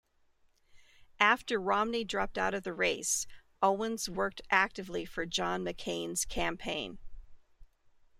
After Romney dropped out of the race, Owens worked actively for John McCain's campaign.